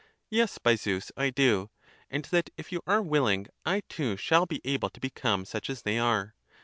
Yes, by Zeus, I do; and that, if you are willing, I too shall be able to become such as they are.